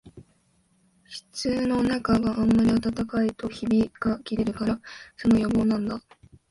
室のなかがあんまり暖かいとひびがきれるから、その予防なんだ